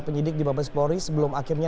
penyidik di mabespori sebelum akhirnya